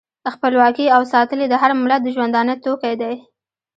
خپلواکي او ساتل یې د هر ملت د ژوندانه توکی دی.